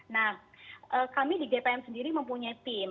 nah kami di gpm sendiri mempunyai tim